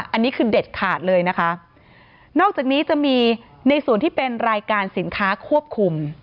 อันนี้คือเด็ดขาดเลยนะคะนอกจากนี้จะมีในส่วนที่เป็นรายการสินค้าควบคุม